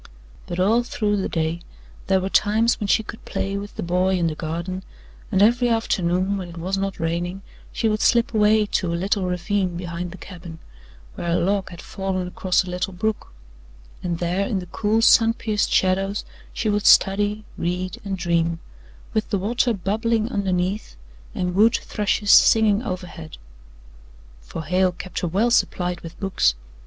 But all through the day there were times when she could play with the boy in the garden, and every afternoon, when it was not raining, she would slip away to a little ravine behind the cabin, where a log had fallen across a little brook, and there in the cool, sun pierced shadows she would study, read and dream with the water bubbling underneath and wood thrushes singing overhead. For Hale kept her well supplied with books.